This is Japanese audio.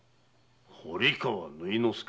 堀川縫殿助？